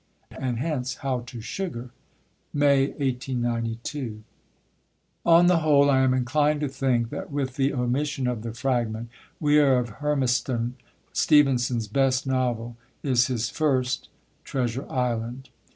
And hence, how to sugar?" (May, 1892.) On the whole, I am inclined to think, that with the omission of the fragment, Weir of Hermiston, Stevenson's best novel is his first Treasure Island.